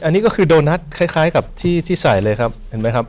อันนี้ก็คือโดนัทคล้ายกับที่ที่ใส่เลยครับเห็นไหมครับ